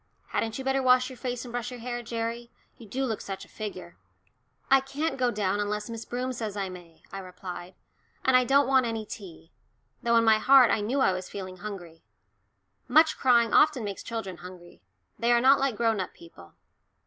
Hadn't you better wash your face and brush your hair, Gerry you do look such a figure." "I can't go down unless Miss Broom says I may," I replied, "and I don't want any tea," though in my heart I knew I was feeling hungry. Much crying often makes children hungry; they are not like grown up people.